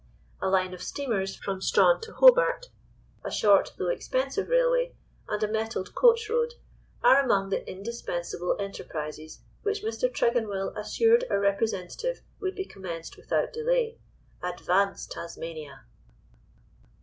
A line of steamers from Strahan to Hobart, a short though expensive railway, and a metalled coach road, are among the indispensable enterprises which Mr. Tregonwell assured our representative would be commenced without delay. Advance, Tasmania!"